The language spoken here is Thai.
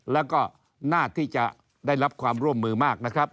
แล้วก็น่าที่จะได้รับความร่วมมือมากนะครับ